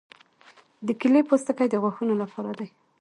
د کیلې پوستکي د غاښونو لپاره دي.